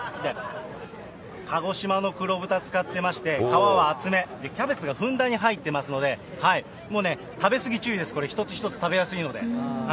鹿児島の黒豚使ってまして、皮は厚め、キャベツがふんだんに入ってますので、もうね、食べすぎ注意です、一つ一つ食べやすいので。